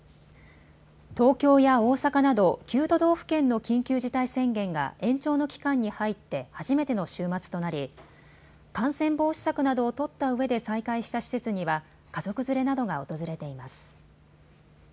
東京や大阪など９都道府県の緊急事態宣言が延長の期間に入って初めての週末となり感染防止策などを取ったうえで再開した施設には家族連れなどが訪れています。